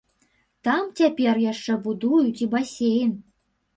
Там цяпер яшчэ будуюць і басейн.